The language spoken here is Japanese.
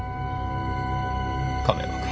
亀山君。